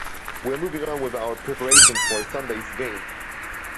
We are moving on with our preparations for Sunday's game.